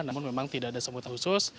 namun memang tidak ada semudah khusus